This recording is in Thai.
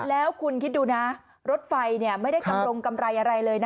แล้วคุณคิดดูนะรถไฟไม่ได้กำรงกำไรอะไรเลยนะ